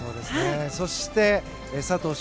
そして、佐藤翔